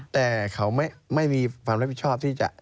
แต่เขาไม่มีความรับผิดชอบที่จะ